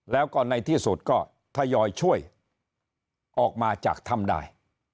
แล้วก็ในที่สุดก็ทยอยช่วยออกมาจากถ้ำได้